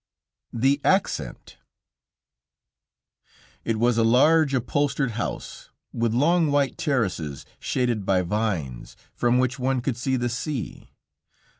THE ACCENT It was a large, upholstered house, with long white terraces shaded by vines, from which one could see the sea.